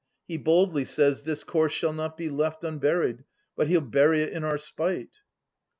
He boldly says this corse shall not be left Unburied, but he'll bury it in our spite.